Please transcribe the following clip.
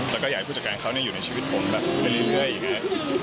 แล้วก็อยากให้ผู้จัดการเขาอยู่ในชีวิตผมแบบไปเรื่อยอย่างนี้